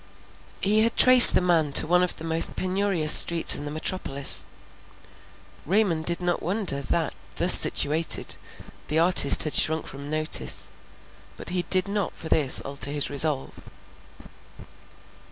He had traced the man to one of the most penurious streets in the metropolis. Raymond did not wonder, that, thus situated, the artist had shrunk from notice, but he did not for this alter his resolve.